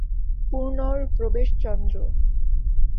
পূর্ণর প্রবেশ চন্দ্র।